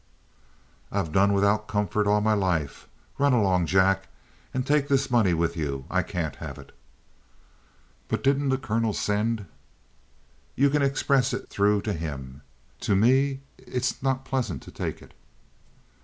"I've done without comfort all my life. Run along, Jack. And take this money with you. I can't have it." "But, didn't the colonel send " "You can express it through to him. To me it's not pleasant to take it."